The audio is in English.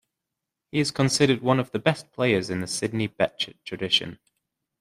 He is considered one of the best players in the Sidney Bechet tradition.